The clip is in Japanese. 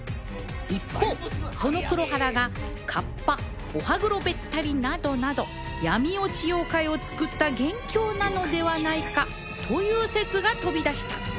一方その黒原が河童お歯黒べったりなどなど闇落ち妖怪を作った元凶なのではないかという説が飛び出した